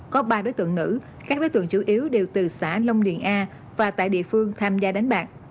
có ba đối tượng nữ các đối tượng chủ yếu đều từ xã long điền a và tại địa phương tham gia đánh bạc